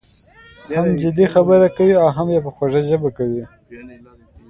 هم جدي خبره کوي او هم یې په خوږه ژبه کوي.